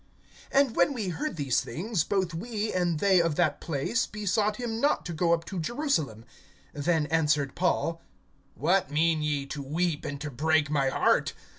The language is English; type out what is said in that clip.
(12)And when we heard these things, both we, and they of that place, besought him not to go up to Jerusalem. (13)Then answered Paul: What mean ye, to weep and to break my heart?